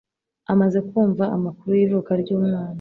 Amaze kumva amakuru y’ivuka ry’umwana